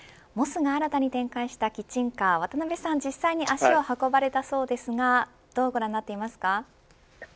モスが新たに展開したキッチンカー渡辺さんは実際に足を運ばれたそうですがどうご覧になっていますか。